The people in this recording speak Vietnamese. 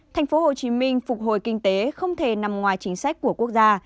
thành phố hồ chí minh phục hồi kinh tế không thể nằm ngoài chính sách của quốc gia